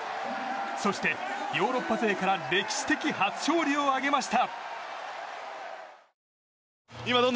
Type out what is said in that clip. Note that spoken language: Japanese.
そしてヨーロッパ勢から歴史的初勝利を挙げました。